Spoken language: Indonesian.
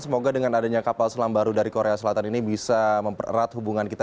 semoga dengan adanya kapal selam baru dari korea selatan ini bisa mempererat hubungan kita